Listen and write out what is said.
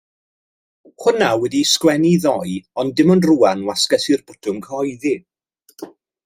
Hwnna wedi'i sgwennu ddoe ond dim ond rŵan wasgais i'r botwm cyhoeddi.